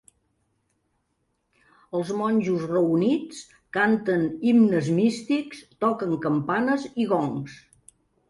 Els monjos reunits canten himnes místics, toquen campanes i gongs.